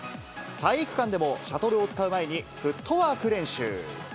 体育館でもシャトルを使う前にフットワーク練習。